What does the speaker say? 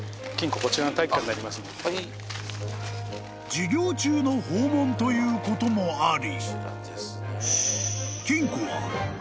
［授業中の訪問ということもあり］